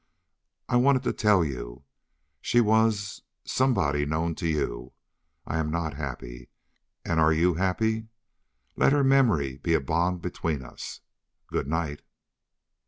"I wanted to tell you. She was somehow known to you. I am not happy. And are YOU happy?... Let her memory be a bond between us.... Good night."